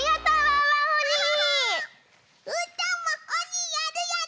うーたんもおにやるやる！